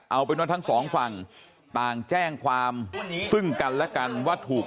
เอาเป็นว่าทั้งสองฝั่งต่างแจ้งความซึ่งกันและกันว่าถูก